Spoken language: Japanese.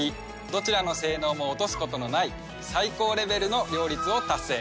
どちらの性能も落とすことのない最高レベルの両立を達成。